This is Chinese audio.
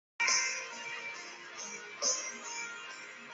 黑臀泽蛭为舌蛭科泽蛭属下的一个种。